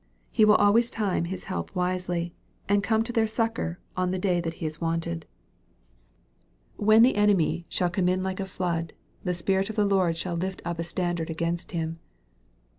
He will always time His help wisely, and come to their succor in the day that He is wanted. MARK, CHAP. XVI. 367 " When the enemy shall come in like a flood, the Spirit of the Lord shall lift up a standard against him."